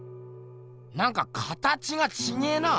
なんか形がちげえな。